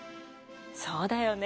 そうだよね。